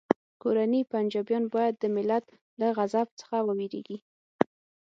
کورني پنجابیان باید د ملت له غضب څخه وویریږي